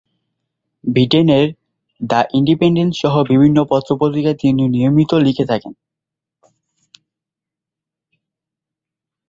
ব্রিটেনের "the Independent" সহ বিভিন্ন পত্র-পত্রিকায় তিনি নিয়মিত লিখে থাকেন।